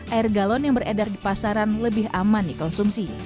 air galon yang beredar di pasaran lebih aman dikonsumsi